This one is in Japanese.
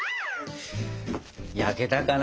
焼けたかな。